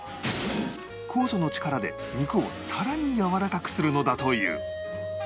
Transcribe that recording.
酵素の力で肉をさらにやわらかくするのだという